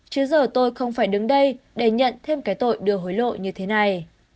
chứ giờ tôi không phải đứng đây để nhận thêm cái tội đưa hối lộ như thế này